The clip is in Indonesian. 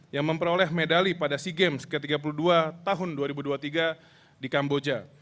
yang memperoleh medali pada sea games ke tiga puluh dua tahun dua ribu dua puluh tiga di kamboja